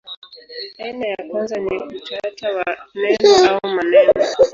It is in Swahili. Aina ya kwanza ni utata wa neno au maneno.